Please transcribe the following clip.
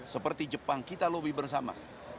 seperti jepang kita lobby bersama